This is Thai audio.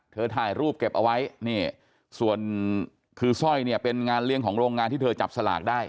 ถ่ายรูปเก็บเอาไว้นี่ส่วนคือสร้อยเนี่ยเป็นงานเลี้ยงของโรงงานที่เธอจับสลากได้